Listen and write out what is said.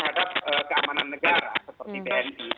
terhadap keamanan negara seperti bni